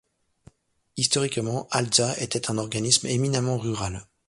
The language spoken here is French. Historiquement, Altza était un organisme éminemment rural.